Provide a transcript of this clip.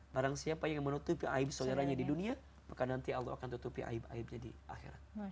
barang siapa yang menutupi aib saudaranya di dunia maka nanti allah akan tutupi aib aibnya di akhirat